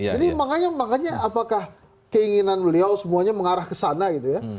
jadi makanya apakah keinginan beliau semuanya mengarah ke sana gitu ya